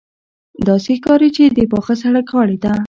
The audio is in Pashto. داسې ښکاري چې د پاخه سړک غاړې ته.